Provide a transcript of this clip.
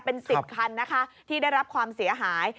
เป็น๑๐คันนะคะที่ได้รับความเสียหาย